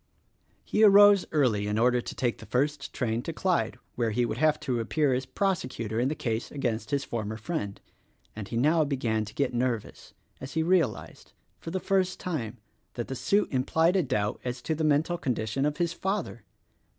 He arose early in order to take the first train to Clyde' where he would have to appear as prosecutor in the case against his former friend; and he now began to get nervous as he realized, for the first time, that the suit implied a doubt as to the mental condition of his father.